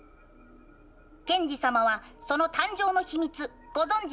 ケンジ様はその誕生の秘密ご存じですか？